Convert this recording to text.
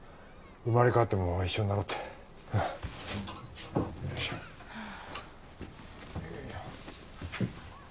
生まれ変わっても一緒になろうってうんはあ